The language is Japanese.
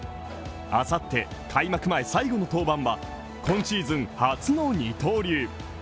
あさって、開幕前最後の登板は今シーズン初の二刀流。